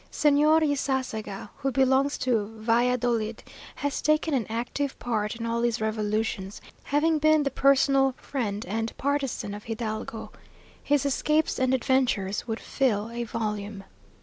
Señor Ysasaga, who belongs to Valladolid, has taken an active part in all these revolutions, having been the personal friend and partisan of Hidalgo. His escapes and adventures would fill a volume.